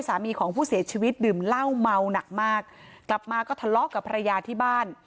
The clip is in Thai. สามีของผู้เสียชีวิตดื่มเหล้าเมาหนักมากกลับมาก็ทะเลาะกับภรรยาที่บ้าน